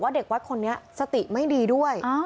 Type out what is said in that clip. เด็กวัดคนนี้สติไม่ดีด้วย